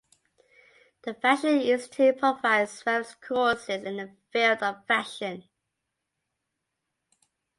The Fashion Institute provides various courses in the field of Fashion.